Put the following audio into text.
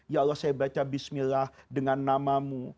ya allah saya baca bismillah dengan namamu